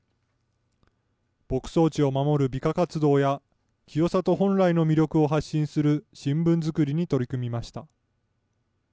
牧草地を守る美化活動や、清里本来の魅力を発信する新聞作りに取り組みました。